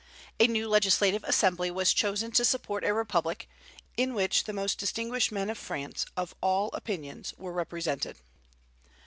A new legislative assembly was chosen to support a republic, in which the most distinguished men of France, of all opinions, were represented.